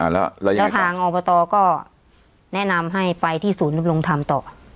แล้วระยะทางอบตก็แนะนำให้ไปที่ศูนย์ดำรงธรรมต่อ